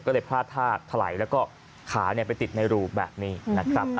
ก็เลยพลาดท่าถลายแล้วก็ขาไปติดในรูแบบนี้นะครับ